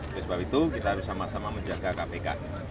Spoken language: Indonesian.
oleh sebab itu kita harus sama sama menjaga kpk